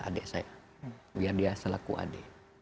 adik saya biar dia selaku adik